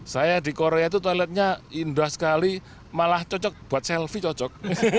saya di korea itu toiletnya indah sekali malah cocok buat selfie cocok